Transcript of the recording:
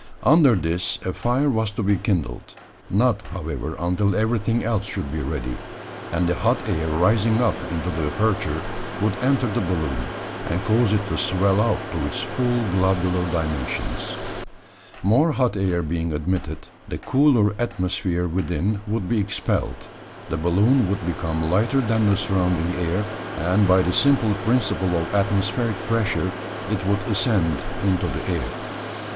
Under this a fire was to be kindled not, however, until everything else should be ready; and the hot air rising up into the aperture would enter the balloon, and cause it to swell out to its full globular dimensions. More hot air being admitted, the cooler atmosphere within would be expelled, the balloon would become lighter than the surrounding air, and by the simple principle of atmospheric pressure it would ascend into the air.